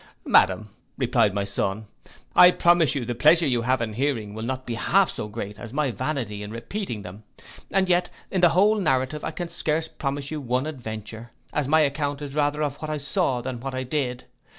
'—'Madam,' replied my son, 'I promise you the pleasure you have in hearing, will not be half so great as my vanity in repeating them; and yet in the whole narrative I can scarce promise you one adventure, as my account is rather of what I saw than what I did.